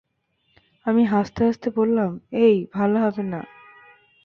আমি হাসতে-হাসতে বললাম-এ্যাই, ভালো হবে না।